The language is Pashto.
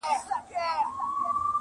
رسنۍ او پوليس صحنه ننداره کوي-